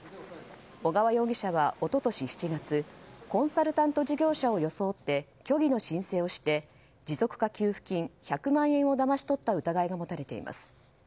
小川容疑者は一昨年７月コンサルタント事業者を装って虚偽の申請をして持続化給付金１００万円をだまし取った疑いが持たれています。